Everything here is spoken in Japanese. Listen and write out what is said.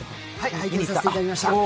拝見させていただきました。